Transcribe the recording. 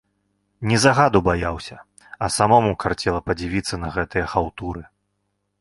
Не загаду баяўся, а самому карцела падзівіцца на гэтыя хаўтуры.